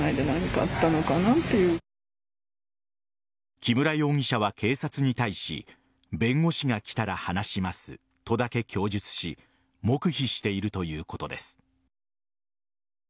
木村容疑者は、警察に対し弁護士が来たら話しますとだけ供述し黙秘しているということです。